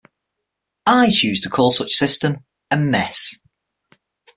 I choose to call such a system a mess.